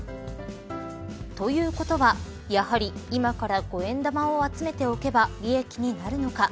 ということはやはり今から５円玉を集めておけば利益になるのか。